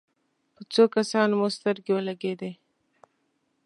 په څو کسانو مو سترګې ولګېدې.